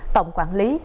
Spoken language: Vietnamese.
tổng quản lý